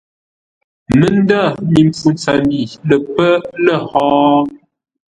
Məndə̂ mi mpfu ntsəmbi lə́ pə́ lə̂ hó?